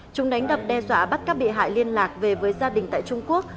chúng đánh đập đe dọa bắt các bị hại liên lạc về với gia đình tại trung quốc